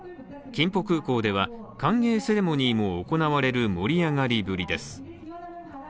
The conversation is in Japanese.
キンポ空港では、歓迎セレモニーも行われる盛り上がりぶりです。